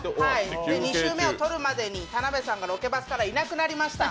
２週目を撮るまでに、田辺さんがロケバスからいなくなりました。